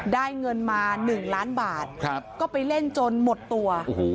ได้เงินมา๑ล้านบาทก็ไปเล่นจนหมดตัว